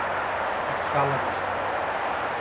Fixar la vista.